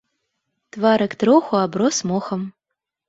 Тварык троху аброс мохам.